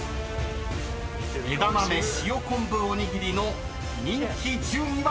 ［枝豆塩昆布おにぎりの人気順位は⁉］